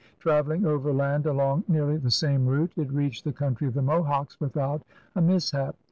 Traveling overland along nearly the same route, it reached the country of the Mohawks without a mishap.